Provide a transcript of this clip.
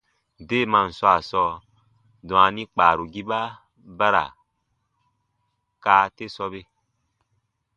Deemaan swaa sɔɔ, dwaani kpaarugiba ba ra kaa te sɔbe.